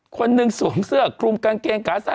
คนหนึ่งสวมเสื้อคลุมกางเกงขาสั้น